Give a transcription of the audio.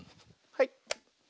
はい。